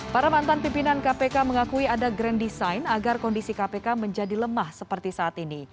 para mantan pimpinan kpk mengakui ada grand design agar kondisi kpk menjadi lemah seperti saat ini